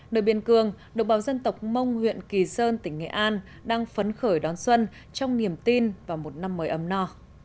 đời biển cường độc bào dân tộc mông huyện kỳ sơn tỉnh nghệ an đang phấn khởi đón xuân trong niềm tin vào một năm mới ấm no